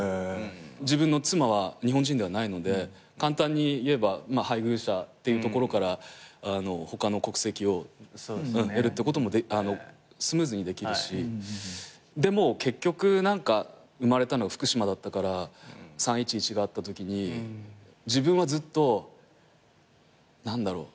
自分の妻は日本人ではないので簡単に言えば配偶者っていうところから他の国籍を得るってこともスムーズにできるし結局何か生まれたのは福島だったから３１１があったときに自分はずっと何だろう。